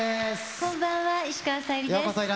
こんばんは石川さゆりです。